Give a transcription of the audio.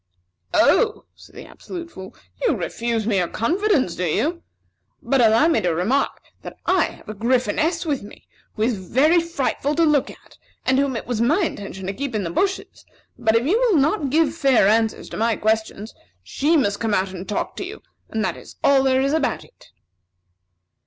"Oh," said the Absolute Fool, "you refuse me your confidence, do you? But allow me to remark that I have a Gryphoness with me who is very frightful to look at, and whom it was my intention to keep in the bushes; but if you will not give fair answers to my questions, she must come out and talk to you, and that is all there is about it."